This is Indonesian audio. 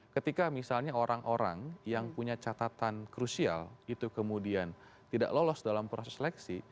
ketika misalnya orang orang yang punya catatan krusial itu kemudian tidak lolos dalam proses seleksi